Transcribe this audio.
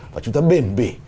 và chúng tôi bền bỉ